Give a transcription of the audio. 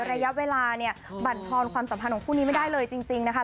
ระยะเวลาเนี่ยบรรทอนความสัมพันธ์ของคู่นี้ไม่ได้เลยจริงนะคะ